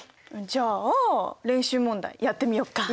じゃあ練習問題やってみよっか。